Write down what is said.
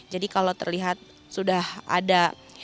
jadi kalau terlihat sudah ada